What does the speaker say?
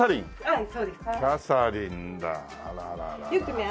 はい。